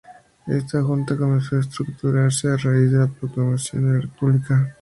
Esta junta comenzó a estructurarse a raíz de la proclamación de la República.